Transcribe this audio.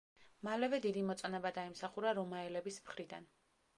მალევე დიდი მოწონება დაიმსახურა რომაელების მხრიდან.